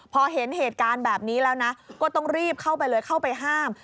พอเห็นเหตุการณ์แบบนี้แล้วนะก็ต้องรีบเข้าไปเลยเข้าไปห้าม